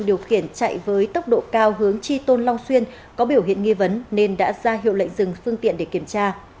điều khiển chạy với tốc độ cao hướng chi tôn long xuyên có biểu hiện nghi vấn nên đã ra hiệu lệnh dừng phương tiện để kiểm tra